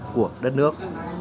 của đất nước